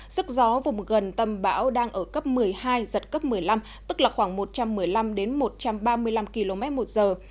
sức gió vùng gần tâm bão đang ở cấp một mươi hai giật cấp một mươi năm tức là khoảng một trăm một mươi năm một trăm ba mươi năm km một giờ